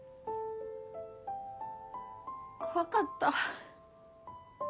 怖かった。